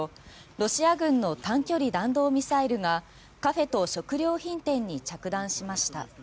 ロシア軍の短距離弾道ミサイルがカフェと食料品店に着弾しました。